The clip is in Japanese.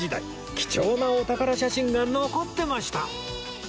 貴重なお宝写真が残ってました！